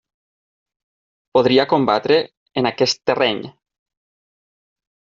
Podria combatre en aquest terreny.